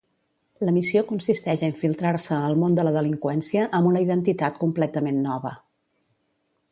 La missió consisteix a infiltrar-se al món de la delinqüència amb una identitat completament nova.